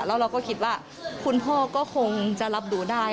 แล้วเราก็คิดว่าคุณพ่อก็คงจะรับรู้ได้